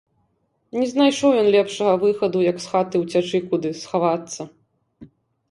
Не знайшоў ён лепшага выхаду, як з хаты ўцячы куды, схавацца.